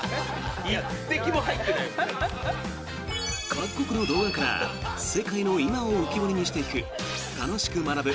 各国の動画から世界の今を浮き彫りにしていく「楽しく学ぶ！